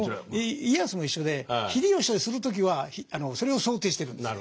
家康も一緒で秀吉とする時はそれを想定してるんですね。